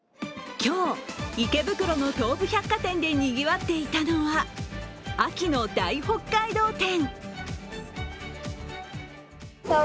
今日、池袋の東武百貨店でにぎわっていたのは秋の大北海道展。